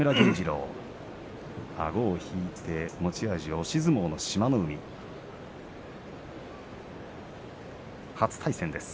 あごを引いて持ち味の押し相撲の志摩ノ海です。